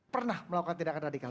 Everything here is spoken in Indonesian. pernah melakukan tindakan radikal